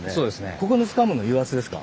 ここのつかむの油圧ですか？